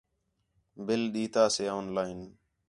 بِل ݙین٘دا سے آن لائن